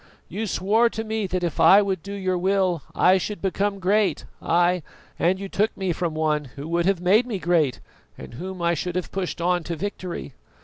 You swore to me that if I would do your will I should become great, ay! and you took me from one who would have made me great and whom I should have pushed on to victory.